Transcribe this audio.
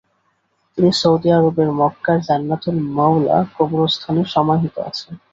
তিনি সৌদি আরবের মক্কার জান্নাতুল মওলা কবরস্থান সমাহিত আছেন।